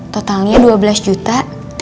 totalnya dua belas juta